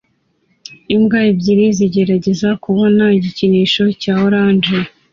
Imbwa ebyiri zigerageza kubona igikinisho cya orange